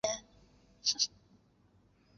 至元十五年。